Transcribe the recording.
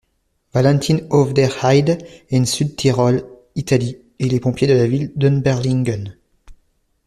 Valentin auf der Haide en Südtirol, Italie et les pompiers de la ville d'Überlingen.